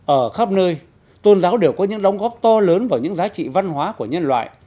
ở khắp nơi tôn giáo đều có những đóng góp to lớn vào những giá trị văn hóa của nhân loại